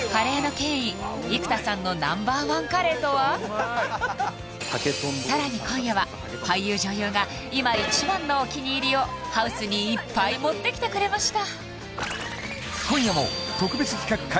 あっうまいわさらに今夜は俳優女優が今一番のお気に入りをハウスにいっぱい持ってきてくれました